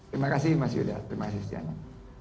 terima kasih mas yuda terima kasih cnn